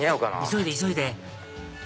急いで急いで！